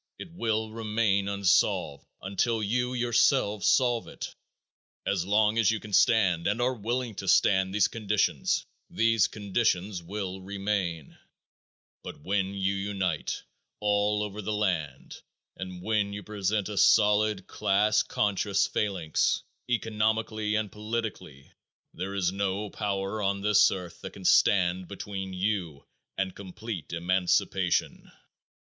It will remain unsolved until you yourselves solve it. As long as you can stand and are willing to stand these conditions, these conditions will remain; but when you unite all over the land, when you present a solid class conscious phalanx, economically and politically, there is no power on this earth that can stand between you and complete emancipation.